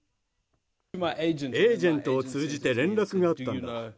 エージェントを通じて連絡があったんだ。